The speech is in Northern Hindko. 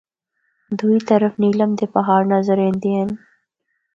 دوئی طرف نیلم دے پہاڑ نظر ایندے ہن۔